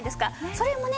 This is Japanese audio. それもね